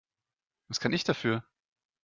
Was kann ich dafür?